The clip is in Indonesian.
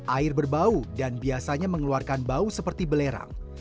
air berbau dan biasanya mengeluarkan bau seperti belerang